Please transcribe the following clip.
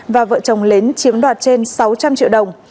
và vợ chồng lớn chiếm đoạt trên sáu trăm linh triệu đồng